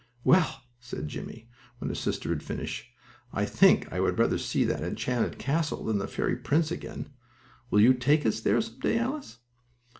"Well," said Jimmie, when his sister had finished, "I think I would rather see that enchanted castle than the fairy prince again. Will you take us there some day, Alice?"